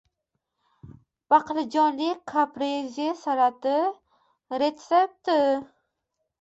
Baqlajonli kapreze salati retsepti